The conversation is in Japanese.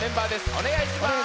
おねがいします。